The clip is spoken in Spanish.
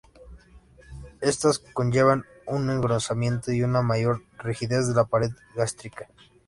Estas conllevan un engrosamiento y una mayor rigidez de la pared gástrica.